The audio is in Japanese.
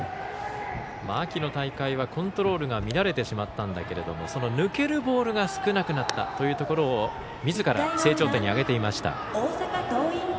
秋の大会はコントロールが乱れてしまったんだけれどもその抜けるボールが少なくなったというところをみずから成長点に挙げていました。